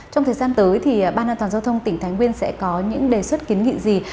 trong thời gian tới thì ban an toàn giao thông tỉnh thái nguyên sẽ có những đề xuất kiến nghị gì